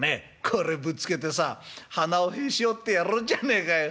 これぶつけてさ鼻をへし折ってやろうじゃねえかよ。